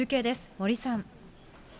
森さん。